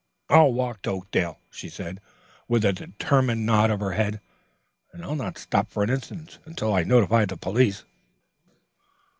"I'll walk to Oakdale," she said, with a determined nod of her head. "And I'll not stop for an instant until I notify the police."